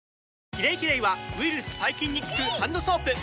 「キレイキレイ」はウイルス・細菌に効くハンドソープ！